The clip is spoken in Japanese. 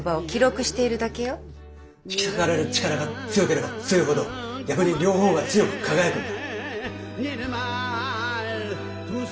引き裂かれる力が強ければ強いほど逆に両方が強く輝くんだ。